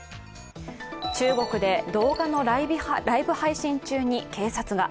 中国で動画のライブ配信中に警察が。